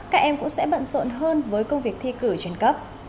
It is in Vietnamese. các em cũng sẽ bận rộn hơn với công việc thi cử trên cấp